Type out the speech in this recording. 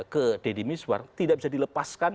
ke deddy miswar tidak bisa dilepaskan